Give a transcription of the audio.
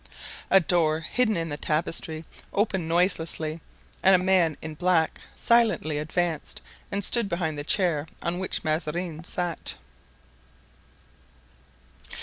A door hidden in the tapestry opened noiselessly and a man in black silently advanced and stood behind the chair on which Mazarin sat.